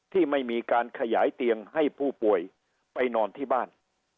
ที่ไม่มีการขยายเตียงให้ผู้ป่วยไปนอนที่บ้าน